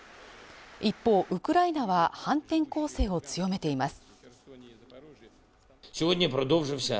一方ウクライナは反転攻勢を強めています